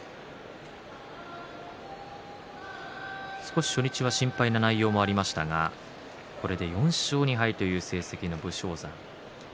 少し初日は心配な内容がありましたが、これで４勝２敗という成績の武将山。